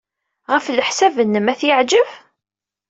Ɣef leḥsab-nnem, ad t-yeɛjeb?